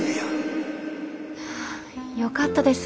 よかったです。